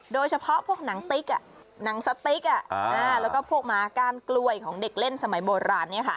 โดยเฉพาะพวกหนังติ๊กหนังสติ๊กแล้วก็พวกหมาก้านกล้วยของเด็กเล่นสมัยโบราณ